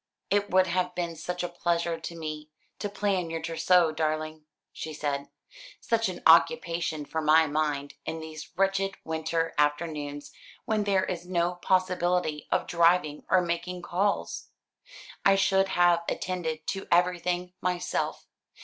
"It would have been such a pleasure to me to plan your trousseau, darling," she said; "such an occupation for my mind in these wretched winter afternoons when there is no possibility of driving or making calls. I should have attended to everything myself.